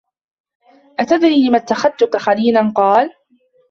أَتَدْرِي لِمَ اتَّخَذْتُك خَلِيلًا ؟ قَالَ